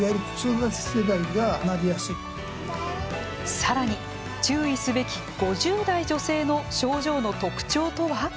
さらに注意すべき５０代女性の症状の特徴とは。